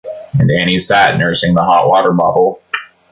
And Annie sat nursing the hot-water bottle.